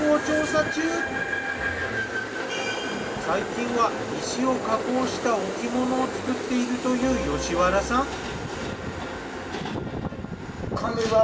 最近は石を加工した置物を作っているという吉原さん。